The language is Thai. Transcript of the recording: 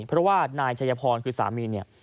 เพราะว่านายชัยพรคือสามีเนี่ย